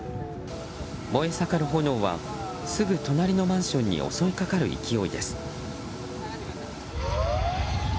燃え盛る炎は、すぐ隣のマンションに襲いかかる勢いです。